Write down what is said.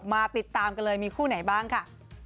มาติดตามกันเลยมีคู่ไหนบ้างค่ะ